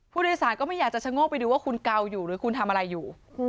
ผู้โดยสารก็ไม่อยากจะชะโงกไปดูว่าคุณเกาอยู่หรือคุณทำอะไรอยู่